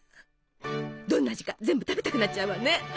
どんな味か全部食べたくなっちゃうわね。